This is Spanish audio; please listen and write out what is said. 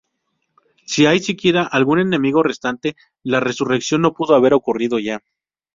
Si hay siquiera algún enemigo restante, la resurrección no pudo haber ocurrido ya.